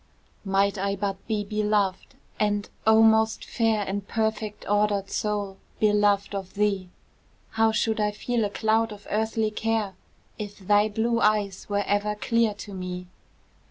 Might I but be beloved, and, O most fair And perfect ordered soul, beloved of thee, How should I feel a cloud of earthly care, If thy blue eyes were ever clear to me?